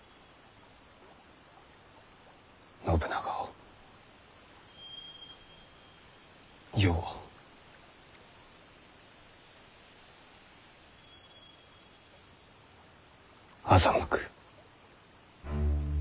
信長を世を欺く。